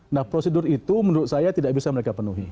nah prosedur itu menurut saya tidak bisa mereka penuhi